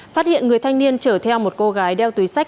phát hiện người thanh niên chở theo một cô gái đeo túi sách